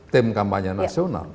di kampanye nasional